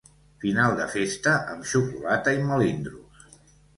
Final de festa amb xocolata i melindros.